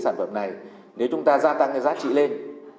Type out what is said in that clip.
hai mươi bốn sản phẩm này nếu chúng ta gia tăng giá trị lên